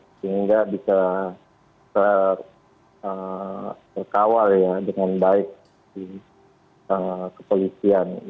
sehingga bisa terkawal ya dengan baik di kepolisian